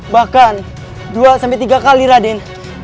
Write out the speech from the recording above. bahkan dua sampai tiga kali raden